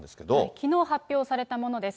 きのう発表されたものです。